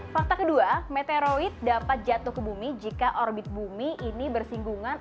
fakta kedua meteroid dapat jatuh ke bumi jika orbit bumi ini bersinggungan